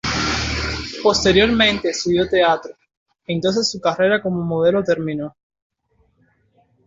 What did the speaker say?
Posteriormente estudió teatro, entonces su carrera como modelo terminó.